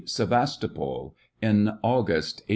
SEVASTOPOL IN AUGUST, 1855.